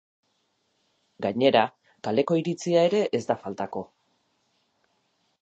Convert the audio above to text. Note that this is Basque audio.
Gainera, kaleko iritzia ere ez da faltako.